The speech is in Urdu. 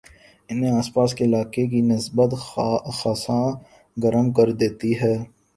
انہیں آس پاس کے علاقے کی نسبت خاصا گرم کردیتی ہے